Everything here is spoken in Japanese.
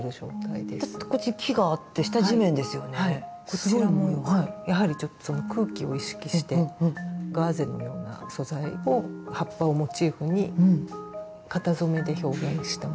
こちらもやはりちょっと空気を意識してガーゼのような素材を葉っぱをモチーフに型染めで表現したものです。